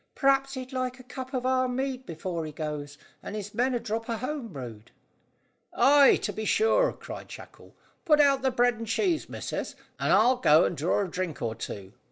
"P'r'aps he'd like a mug of our mead before he goes, and his men a drop of home brewed." "Ay, to be sure," cried Shackle. "Put out the bread and cheese, missus, and I'll go and draw a drink or two.